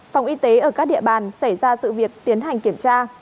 phòng y tế ở các địa bàn xảy ra sự việc tiến hành kiểm tra